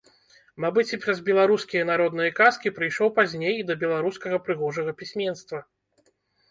Мабыць, і праз беларускія народныя казкі прыйшоў пазней і да беларускага прыгожага пісьменства.